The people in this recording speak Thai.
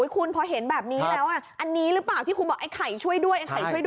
คุณพอเห็นแบบนี้แล้วอันนี้หรือเปล่าที่คุณบอกไอ้ไข่ช่วยด้วยไอ้ไข่ช่วยด้วย